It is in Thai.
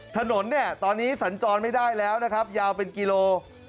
ถนนเนี่ยตอนนี้สัญจรไม่ได้แล้วนะครับยาวเป็นกิโล